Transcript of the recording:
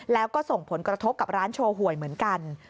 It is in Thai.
แล้วก็ส่งผลกระทบกับร้านโชว์หวยเหมือนกัน